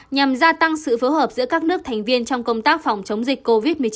nhằm gia tăng sự phối hợp giữa các nước thành viên trong công tác phòng chống dịch covid một mươi chín